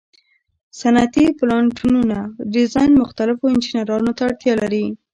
د صنعتي پلانټونو ډیزاین مختلفو انجینرانو ته اړتیا لري.